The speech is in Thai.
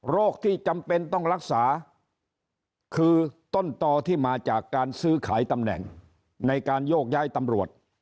ที่จำเป็นต้องรักษาคือต้นต่อที่มาจากการซื้อขายตำแหน่งในการโยกย้ายตำรวจ